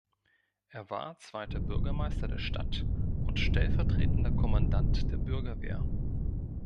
Er war zweiter Bürgermeister der Stadt und stellvertretender Kommandant der Bürgerwehr.